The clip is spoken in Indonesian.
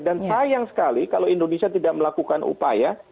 sayang sekali kalau indonesia tidak melakukan upaya